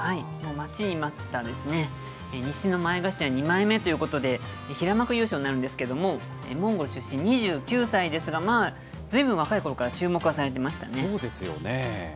待ちに待ったですね、西の前頭２枚目ということで、平幕優勝になるんですけれども、モンゴル出身、２９歳ですが、まあずいぶん若いころから注目はされそうですよね。